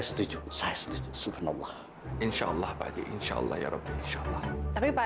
saya setuju saya setuju subhanallah insyaallah fajr insyaallah ya rabu insyaallah tapi pak